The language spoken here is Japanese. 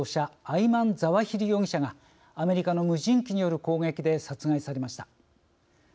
アイマン・ザワヒリ容疑者がアメリカの無人機による攻撃で殺害されました。